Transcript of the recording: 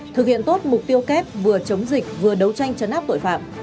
thực hiện tốt mục tiêu kép vừa chống dịch vừa đấu tranh chấn áp tội phạm